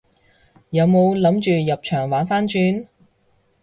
有冇諗住入場玩番轉？